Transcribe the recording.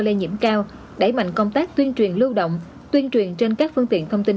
lây nhiễm cao đẩy mạnh công tác tuyên truyền lưu động tuyên truyền trên các phương tiện thông tin